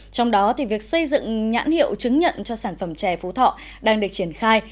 trong đó việc xây dựng nhãn hiệu chứng nhận cho sản phẩm chè phú thọ đang được triển khai